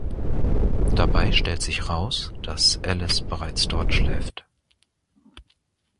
Dabei stellt sich raus, dass Alice bereits dort schläft.